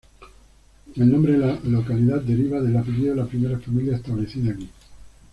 El nombre de la localidad deriva del apellido de la primera familia establecida aquí.